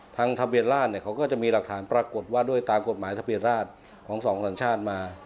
ทางทะเบียนราชเนี่ยเขาก็จะมีหลักฐานปรากฏว่าด้วยตามกฎหมายทะเบียนราชของสองสัญชาติมา